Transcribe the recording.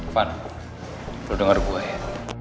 vann lo denger gua ya